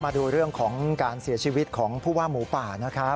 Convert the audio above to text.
มาดูเรื่องของการเสียชีวิตของผู้ว่าหมูป่านะครับ